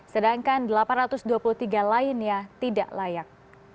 sedangkan delapan ratus dua puluh tiga lainnya tidak layak